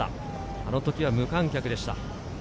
あの時は無観客でした。